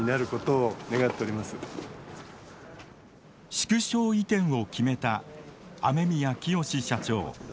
縮小移転を決めた雨宮潔社長。